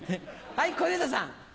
はい小遊三さん。